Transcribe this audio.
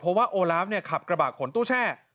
เพราะว่าโอลาฟขับกระบะขนตู้แช่